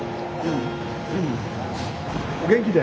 お元気で。